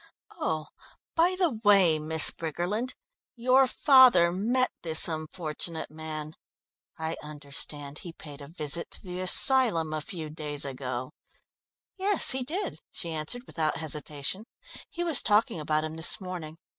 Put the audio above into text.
Oh, by the way, Miss Briggerland, your father met this unfortunate man. I understand he paid a visit to the asylum a few days ago?" "Yes, he did," she answered without hesitation. "He was talking about him this morning.